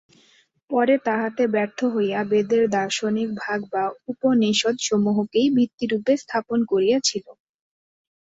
পরে তাহাতে ব্যর্থ হইয়া বেদের দার্শনিক ভাগ বা উপনিষদসমূহকেই ভিত্তিরূপে স্থাপন করিয়াছিল।